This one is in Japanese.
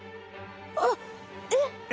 あっえっ！